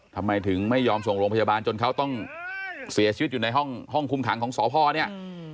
ทำไมถึงไม่ยอมส่งโรงพยาบาลจนเขาต้องเสียชีวิตอยู่ในห้องคุมขังของสพเนี่ย